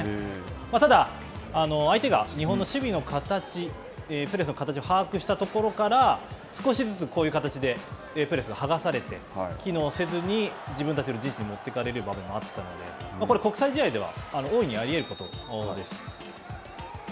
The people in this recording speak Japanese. ただ、相手が日本の守備の形、プレスの形を把握したところから、少しずつこういう形でプレスを剥がされて、機能せずに自分たちの陣地に持っていかれる場面もあったので、これ、国際試合では大いにあり得ることです。